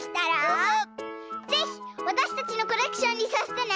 ぜひわたしたちのコレクションにさせてね。